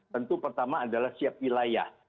tentu pertama adalah siap wilayah